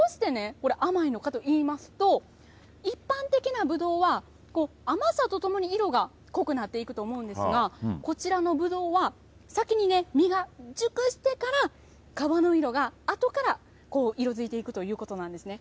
これ甘いのかと言いますと一般的なぶどうは甘さとともに色が濃くなっていくと思うんですがこちらのぶどうは、先に実が熟してから皮の色があとから色づいていくということなんですね。